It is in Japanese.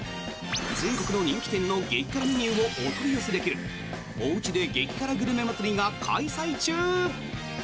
全国の人気店の激辛メニューがお取り寄せできるおうちで激辛グルメ祭りが開催中！